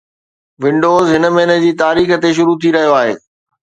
windows هن مهيني جي تاريخ تي شروع ٿي رهيو آهي